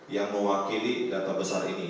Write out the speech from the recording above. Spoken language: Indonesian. yang mewakili data besar ini